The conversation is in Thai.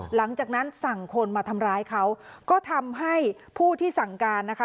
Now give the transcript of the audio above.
หลังจากนั้นสั่งคนมาทำร้ายเขาก็ทำให้ผู้ที่สั่งการนะคะ